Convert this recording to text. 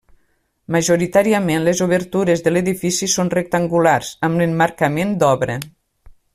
Majoritàriament, les obertures de l'edifici són rectangulars, amb l'emmarcament d'obra.